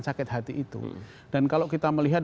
sakit hati itu dan kalau kita melihat